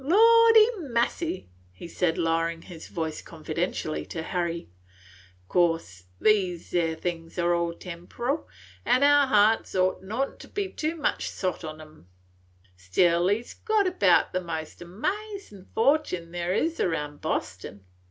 Lordy massy," he said lowering his voice confidentially to Harry, "course these 'ere things is all temporal, an' our hearts ought n't to be too much sot on 'em; still he 's got about the most amazin' fortin there is round Bostin.